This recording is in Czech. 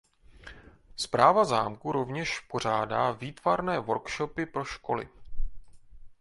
Správa zámku rovněž pořádá výtvarné workshopy pro školy.